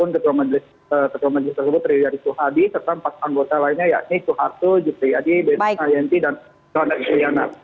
ketua majelis tersebut riyadi suhadi serta empat anggota lainnya yakni suharto jutri yadi ben ayanti dan soeandak isulianar